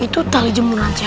itu tali jemuran siapa